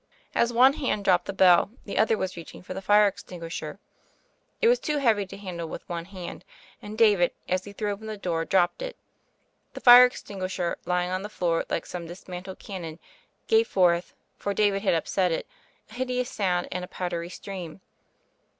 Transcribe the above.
As one hand dropped the bell, the other was reaching for the fire extinguisher. It was too heavy to handle with one hand, and David, as he threw open the door, dropped it. The fire extinguisher — flying on the floor like some dismantled cannon — ^gave forth, for David had upset it, a hideous sound and a powdery stream.